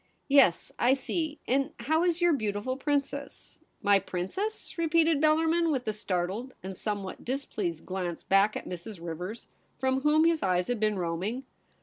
' Yes, I see. And how is your beautiful princess ?'* My princess !' repeated Bellarmin, with a startled and somewhat displeased glance back at Mrs. Rivers, from whom his eyes had been roaming.